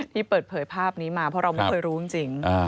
ที่เปิดเผยภาพนี้มาเพราะเราไม่เคยรู้จริง